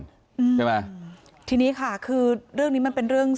ใช่ไหมทีนี้ค่ะคือเรื่องนี้มันเป็นเรื่อง